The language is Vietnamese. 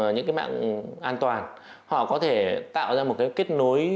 những cái mạng an toàn họ có thể tạo ra một cái kết nối